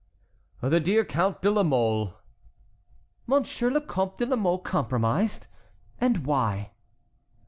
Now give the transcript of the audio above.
"The dear Count de la Mole." "Monsieur le Comte de la Mole compromised! And why?"